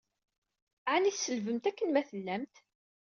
Ɛni tselbemt akken ma tellamt?